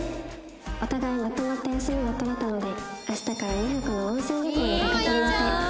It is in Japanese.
お互いまとまった休みが取れたので明日から２泊の温泉旅行に出かける予定